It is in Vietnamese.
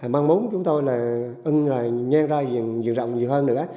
mang mốn chúng tôi là nhanh ra nhiều rộng nhiều hơn nữa